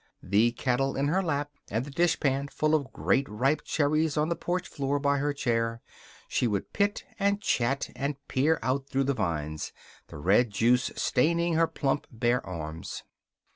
The kettle in her lap and the dishpan full of great ripe cherries on the porch floor by her chair, she would pit and chat and peer out through the vines, the red juice staining her plump bare arms.